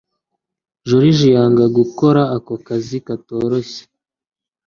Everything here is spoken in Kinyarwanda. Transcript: Joriji yanga gukora ako kazi katoroshye